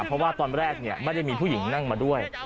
เพราะว่าตอนแรกไม่ได้มีผู้หญิงนั่งมาด้วย